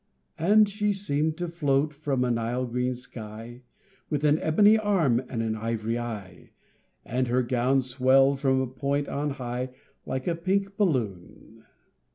And she seemed to float from a Nile green sky, With an ebony arm and an ivory eye, And her gown swelled from a point on high, Like a pink balloon.